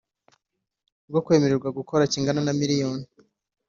rwo kwemererwa gukora kingana na Miriyoni